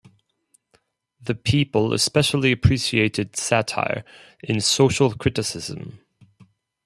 The people especially appreciated satire and social criticism.